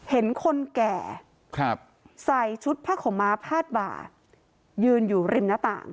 เห็นคนแก่ใส่ชุดผ้าขาวม้าพาดบ่ายืนอยู่ริมหน้าต่าง